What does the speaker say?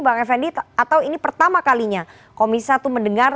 bang effendi atau ini pertama kalinya komisi satu mendengar